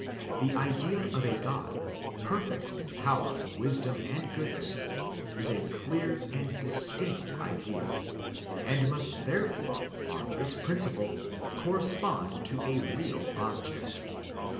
The idea of a God, perfect in power, wisdom, and goodness, is a clear and distinct idea, and must therefore, on this principle correspond to a real object.